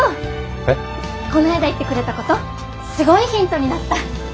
こないだ言ってくれたことすごいヒントになった！